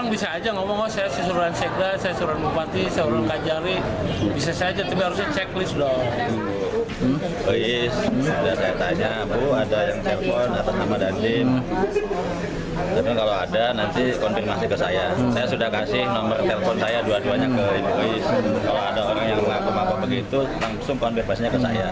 bupati karawang siswa dalam ppdb tahun dua ribu tujuh belas